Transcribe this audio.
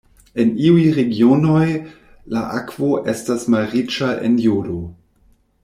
En iuj regionoj la akvo estas malriĉa en jodo.